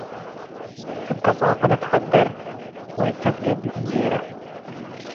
እብ ቀጻፈ ትትሐደር ወእተ ትገብእ እንጌረ